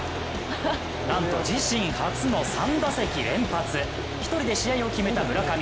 なんと自身初の３打席連発１人で試合を決めた村上。